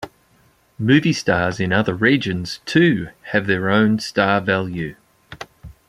Movie stars in other regions too have their own star value.